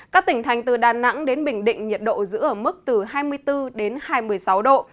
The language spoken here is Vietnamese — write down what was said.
các tỉnh thành từ đà nẵng đến bình định nhiệt độ giữ ở mức từ hai mươi bốn đến hai mươi sáu độ